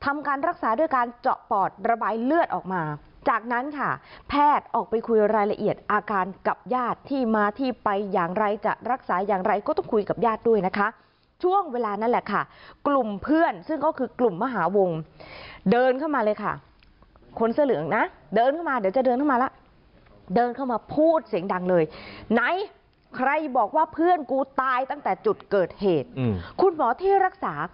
รักษาด้วยการเจาะปอดระบายเลือดออกมาจากนั้นค่ะแพทย์ออกไปคุยรายละเอียดอาการกับญาติที่มาที่ไปอย่างไรจะรักษาอย่างไรก็ต้องคุยกับญาติด้วยนะคะช่วงเวลานั้นแหละค่ะกลุ่มเพื่อนซึ่งก็คือกลุ่มมหาวงเดินเข้ามาเลยค่ะคนเสื้อเหลืองนะเดินเข้ามาเดี๋ยวจะเดินเข้ามาแล้วเดินเข้ามาพูดเสียงดังเลยไหนใครบอกว่าเพื่อนกูตายตั้งแต่จุดเกิดเหตุคุณหมอที่รักษา